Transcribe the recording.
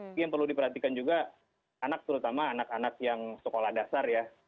tapi yang perlu diperhatikan juga anak terutama anak anak yang sekolah dasar ya